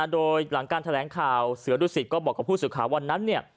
โดยหลังการแถลงข่าวเสือดุสิตก็บอกกับผู้สื่อข่าววันนั้นเนี่ย